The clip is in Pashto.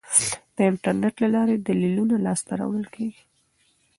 د انټرنیټ له لارې دلیلونه لاسته راوړل کیږي.